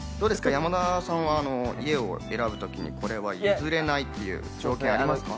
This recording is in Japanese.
山田さんは家を選ぶときにこれは譲れないっていう条件はありますか？